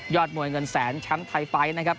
ยอดมวยเงินแสนชั้นไทยไฟท์นะครับ